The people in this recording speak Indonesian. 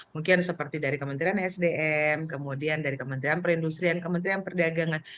mungkin seperti dari kementerian sdm kemudian dari kementerian perindustrian kementerian perdagangan